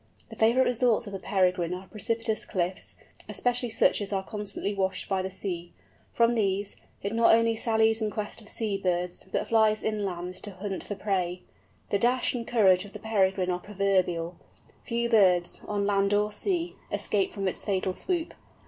The favourite resorts of the Peregrine are precipitous cliffs, especially such as are constantly washed by the sea. From these, it not only sallies in quest of sea birds, but flies inland to hunt for prey. The dash and courage of the Peregrine are proverbial, few birds, on land or sea, escaping from its fatal swoop.